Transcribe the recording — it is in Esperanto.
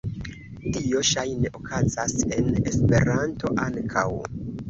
Tio ŝajne okazas en Esperanto ankaŭ.